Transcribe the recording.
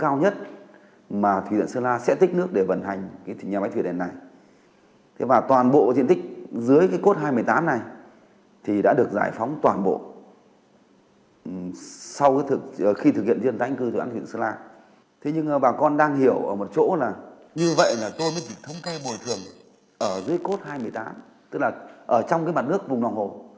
ở dưới cốt hai trăm một mươi tám tức là ở trong cái mặt nước vùng lòng hồ